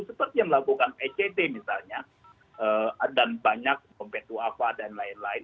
seperti yang melakukan ect misalnya dan banyak kompet duafa dan lain lain